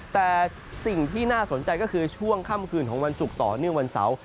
แต่สิ่งที่น่าสนใจก็คือช่วงค่ำคืนของวันศุกร์ต่อเนื่องวันเสาร์